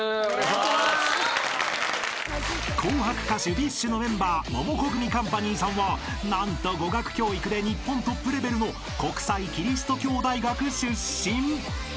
［『紅白』歌手ＢｉＳＨのメンバーモモコグミカンパニーさんは何と語学教育で日本トップレベルの国際基督教大学出身］